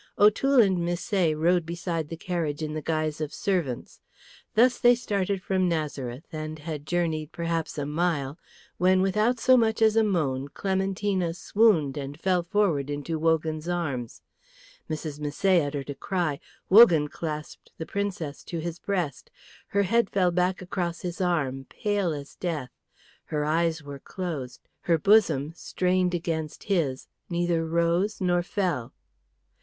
O'Toole and Misset rode beside the carriage in the guise of servants. Thus they started from Nazareth, and had journeyed perhaps a mile when without so much as a moan Clementina swooned and fell forward into Wogan's arms. Mrs. Misset uttered a cry; Wogan clasped the Princess to his breast. Her head fell back across his arm, pale as death; her eyes were closed; her bosom, strained against his, neither rose nor fell.